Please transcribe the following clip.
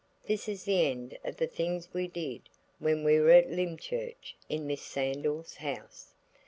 This is the end of the things we did when we were at Lymchurch in Miss Sandal's house.